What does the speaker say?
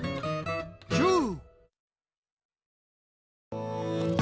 キュー！